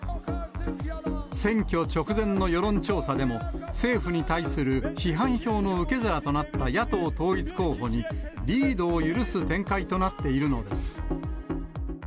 選挙直前の世論調査でも、政府に対する批判票の受け皿となった野党統一候補にリードを許す展開となっているのです。